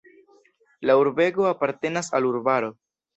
La urbego apartenas al urbaro.